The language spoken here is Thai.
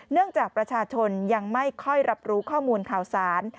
จากประชาชนยังไม่ค่อยรับรู้ข้อมูลข่าวสาร